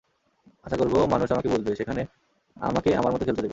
আশা করব মানুষ আমাকে বুঝবে, সেখানে আমাকে আমার মতো খেলতে দেবে।